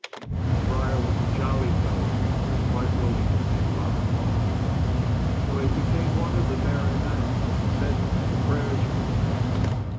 The friar was a jolly fellow, and was quite willing to take Robin's offer. So he became one of the merry men and said the prayers for the band.